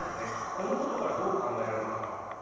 このことからどう考えられますか。